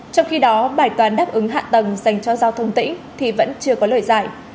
trong khi đó bài toán đáp ứng hạ tầng dành cho giao thông tỉnh thì vẫn chưa có lời giải